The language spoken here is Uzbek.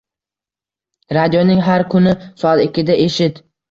Radioning har kuni soat ikkida eshit.